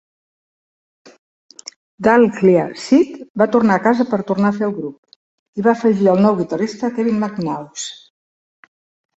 Dahlia Seed va tornar a casa per tornar a fer el grup, i va afegir el nou guitarrista Kevin McManus.